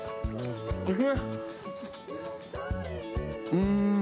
うん！